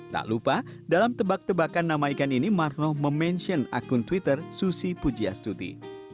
tak lupa dalam tebak tebakan nama ikan ini marno memention akun twitter susi pujiastuti